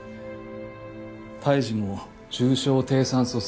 胎児も重症低酸素性